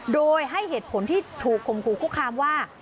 โดยให้เหตุผลที่ถูกข่มขู่คุกคามว่า